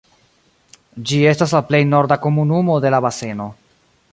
Ĝi estas la plej norda komunumo de la baseno.